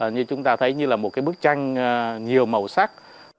như chúng ta thấy như là một bức tranh nhiều màu sắc